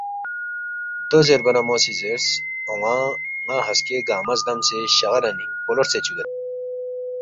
دو زیربا نہ مو سی زیرس، ”اون٘ا ن٘ا ہسکے گنگمہ زدمسے شغرنِنگ پولو ہرژے چُوگید